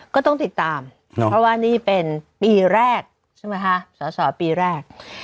ก็ต้องติดตามเพราะว่านี่เป็นปีแรกใช่ไหมคะสอสอปีแรก